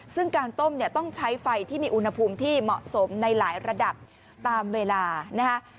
ซึ่งการต้มเนี่ยต้องใช้ไฟที่มีอุณหภูมิที่เหมาะสมในหลายระดับตามเวลานะฮะ